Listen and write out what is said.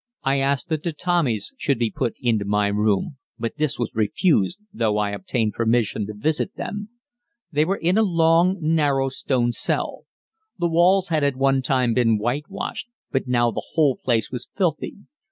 I asked that the Tommies should be put into my room, but this was refused, though I obtained permission to visit them. They were in a long, narrow stone cell. The walls had at one time been whitewashed, but now the whole place was filthy.